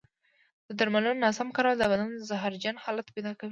د درملو ناسم کارول د بدن زهرجن حالت پیدا کوي.